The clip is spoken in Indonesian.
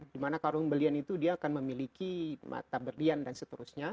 dimana kalung berlian itu dia akan memiliki mata berlian dan seterusnya